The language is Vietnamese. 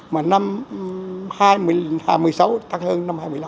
mà năm hai nghìn một mươi sáu tăng hơn năm hai mươi năm